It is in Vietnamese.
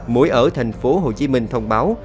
mũi ở thành phố hồ chí minh thông báo